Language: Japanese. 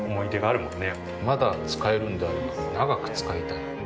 まだ使えるんであれば長く使いたい。